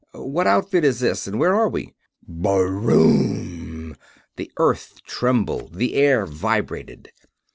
What outfit is this, and where are we?" "BRROOM!" The earth trembled, the air vibrated.